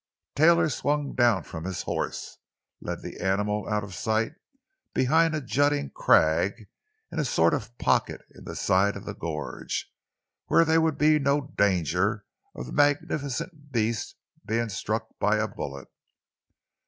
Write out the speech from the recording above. Taylor swung down from his horse, led the animal out of sight behind a jutting crag into a sort of pocket in the side of the gorge, where there would be no danger of the magnificent beast being struck by a bullet.